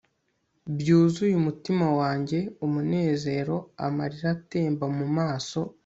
byuzuye umutima wanjye umunezero; amarira atemba mu maso